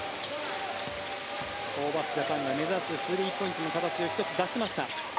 ホーバスジャパンが目指すスリーポイントの形を１つ出しました。